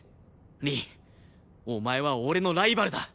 凛お前は俺のライバルだ！